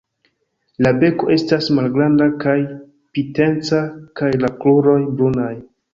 La beko estas malgranda kaj pinteca kaj la kruroj brunaj.